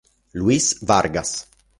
Luis Vargas